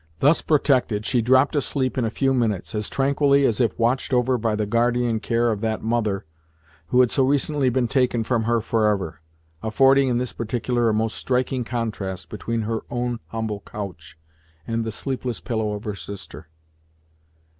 Thus protected, she dropped asleep in a few minutes, as tranquilly as if watched over by the guardian care of that mother, who had so recently been taken from her forever, affording in this particular a most striking contrast between her own humble couch, and the sleepless pillow of her sister.